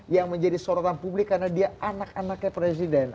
yang menjadi sorotan publik karena dia anak anaknya presiden